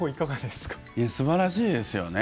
すばらしいですよね。